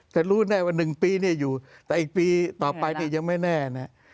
แต่รู้แน่ว่า๑ปีนี่อยู่แต่อีกปีต่อไปเนี่ยยังไม่แน่นะ